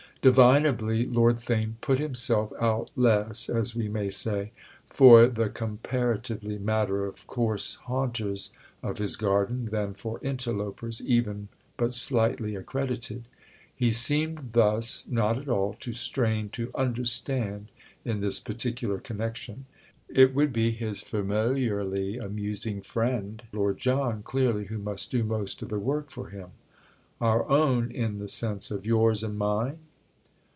Divinably Lord Theign put himself out less, as we may say, for the comparatively matter of course haunters of his garden than for interlopers even but slightly accredited. He seemed thus not at all to strain to "understand" in this particular connection—it would be his familiarly amusing friend Lord John, clearly, who must do most of the work for him. "'Our own' in the sense of yours and mine?"